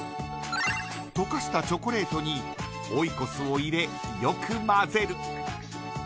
溶かしたチョコレートにオイコスを入れ、よく混ぜる。